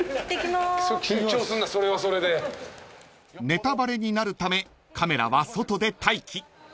［ネタバレになるためカメラは外で待機］